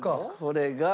これが。